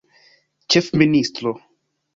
ĉefministro